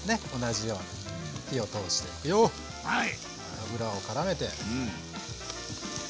油をからめて。